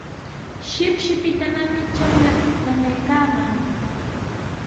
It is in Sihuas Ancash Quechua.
Shipshipitanami chiqllaaqa nanaykaaman.